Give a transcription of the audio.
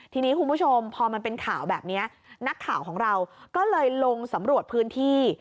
ทีนี้คุณผู้ชมพอมันเป็นข่าวแบบนี้นักข่าวของเราก็เลยลงสำรวจพื้นที่